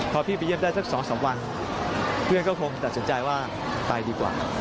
พอพี่ไปเยี่ยมได้สัก๒๓วันเพื่อนก็คงตัดสินใจว่าไปดีกว่า